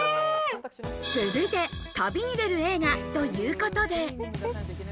続いて、旅に出る映画ということで。